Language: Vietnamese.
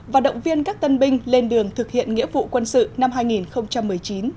và động viên các tân binh lên đường thực hiện nghĩa vụ quân sự năm hai nghìn một mươi chín